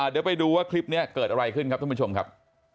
เดี๋ยวไปดูว่าคลิปนี้เกิดอะไรขึ้นครับท่านผู้ชมครับ